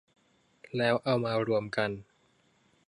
แล้วเอามารวมกัน